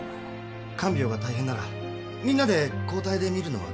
看病が大変ならみんなで交代で診るのはどうですか？